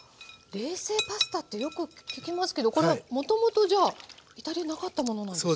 冷製パスタってよく聞きますけどこれはもともとじゃイタリアになかったものなんですね。